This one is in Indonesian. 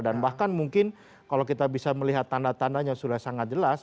dan bahkan mungkin kalau kita bisa melihat tanda tandanya sudah sangat jelas